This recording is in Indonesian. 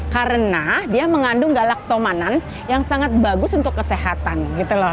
karena dia mengandung galaktomanan yang sangat bagus untuk kesehatan gitu loh